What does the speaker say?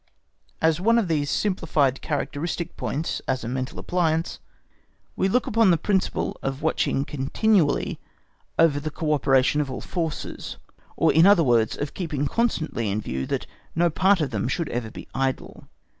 As one of these simplified characteristic points as a mental appliance, we look upon the principle of watching continually over the co operation of all forces, or in other words, of keeping constantly in view that no part of them should ever be idle.